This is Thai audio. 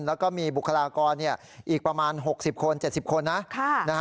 แล้วก็มีบุคลากรอีกประมาณ๖๐คน๗๐คนนะ